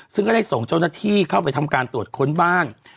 ซึ่งก็ได้ส่งเจ้าหน้าที่เข้าไปทำการตรวจค้นบ้าน